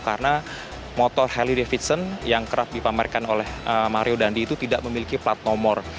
karena motor harley davidson yang kerap dipamerkan oleh mario dandi itu tidak memiliki plat nomor